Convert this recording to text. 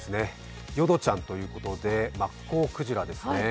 ヨドちゃんということで、マッコウクジラですね。